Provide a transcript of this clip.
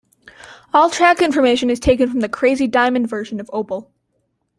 All track information is taken from the "Crazy Diamond" version of "Opel".